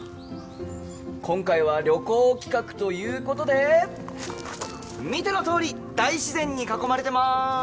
今回は旅行企画ということで見てのとおり大自然に囲まれてます！